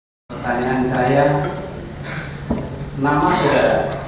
pertanyaan saya nama saudara